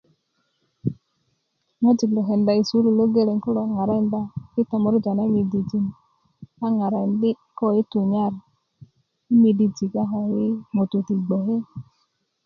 ŋwajik lo kenda i sukulu lo geleŋ kulo ŋarakinda i tomorja na midijin a ŋarakindi' ko i tunyar i midijik a ko i ŋutu ti gboke